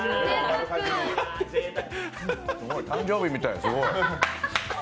すごい、誕生日みたい、すごい。